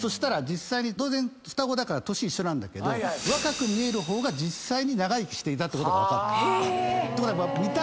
当然双子だから年一緒なんだけど若く見える方が実際に長生きしていたことが分かった。